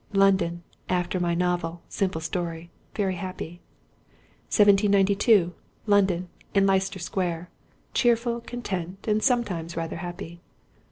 London; after my novel, Simple Story ... very happy. 1792. London; in Leicester Square ... cheerful, content, and sometimes rather happy....